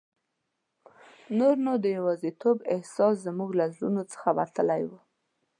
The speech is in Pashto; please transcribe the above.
نور نو د یوازیتوب احساس زموږ له زړونو څخه وتلی وو.